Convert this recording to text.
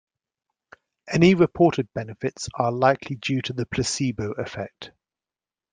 Any reported benefits are likely due to the placebo effect.